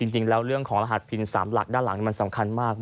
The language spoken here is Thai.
จริงแล้วเรื่องของรหัสพิน๓หลักด้านหลังมันสำคัญมาก